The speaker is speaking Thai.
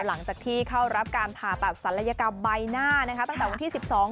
หลังจากที่เข้ารับการผ่าตัดศัลยกรรมใบหน้านะคะตั้งแต่วันที่สิบสอง